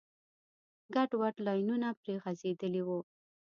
ګډوډ لاینونه پرې غځېدلي وو.